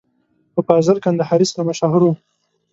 په فاضل کندهاري سره مشهور و.